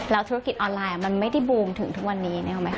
แล้วธุรกิจออนไลน์มันไม่ได้บูมถึงทุกวันนี้